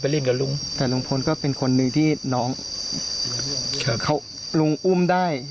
แล้วก็เป็นคนหนึ่งที่น้องเขาคุยลุงอุ้มได้